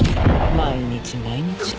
毎日毎日。